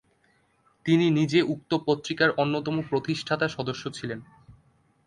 তিনি নিজে উক্ত পত্রিকার অন্যতম প্রতিষ্ঠাতা-সদস্য ছিলেন।